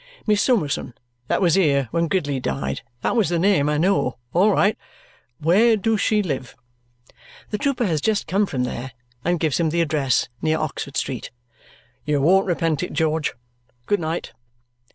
Miss Summerson that was here when Gridley died that was the name, I know all right where does she live?" The trooper has just come from there and gives him the address, near Oxford Street. "You won't repent it, George. Good night!"